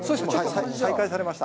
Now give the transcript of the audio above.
再開されました。